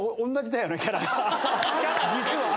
実は。